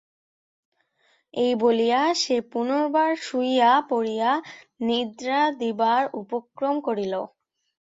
এই বলিয়া সে পুনর্বার শুইয়া পড়িয়া নিদ্রা দিবার উপক্রম করিল।